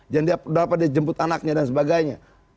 berapa dia jemput anaknya dan sebagainya